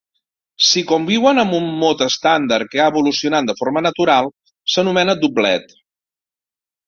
Si conviuen amb un mot estàndard que ha evolucionat de forma natural, s'anomena doblet.